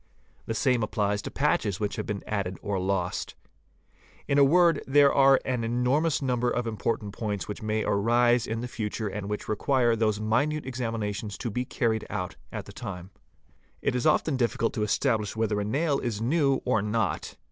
The same applies to patches which have been added or lost. In a word there are an enormous number of important points which may arise in the future and which require those minute examina tions to be carried out at the time. It is often difficult to establish whether a nail is new or not.